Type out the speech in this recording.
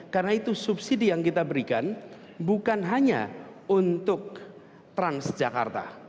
karena itu subsidi yang kita berikan bukan hanya untuk transjakarta